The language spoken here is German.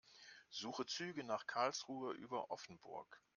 Suche Züge nach Karlsruhe über Offenburg.